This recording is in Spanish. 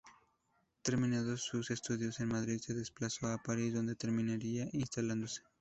Terminados sus estudios en Madrid se desplazó a París, donde terminaría instalándose.